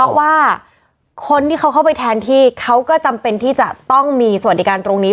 เพราะว่าคนที่เขาเข้าไปแทนที่เขาก็จำเป็นที่จะต้องมีสวัสดิการตรงนี้